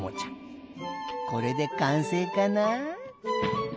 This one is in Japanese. これでかんせいかなあ？